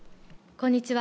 こんにちは。